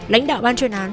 lãnh đạo ban chuyên án